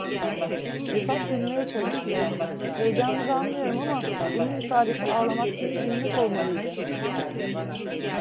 Rifat gülmeye çalıştı: "Heyecanınızı anlıyorum ama, bunun ifadesi ağlamak değil, gülmek olmalıydı…"